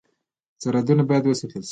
سرحدونه باید وساتل شي